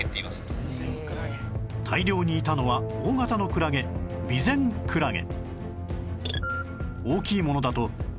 大量にいたのは大型のクラゲビゼンクラゲ